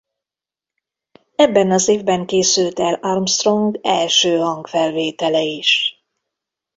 Ebben az évben készült el Armstrong első hangfelvétele is.